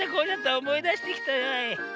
おもいだしてきたわい。